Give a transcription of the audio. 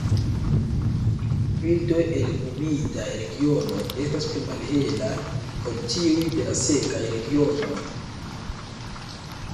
Birdoj el humidaj regionoj estas pli malhelaj ol tiuj de la sekaj regionoj.